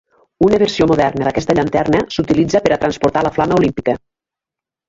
Una versió moderna d'aquesta llanterna s'utilitza per a transportar la flama olímpica.